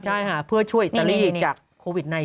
ใช่ค่ะเพื่อช่วยอิตาลีจากโควิด๑๙